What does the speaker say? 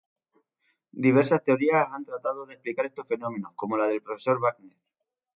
Diversas teorías han tratado de explicar estos fenómenos como la del Profesor Wagner.